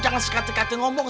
jangan sekatek katek ngomong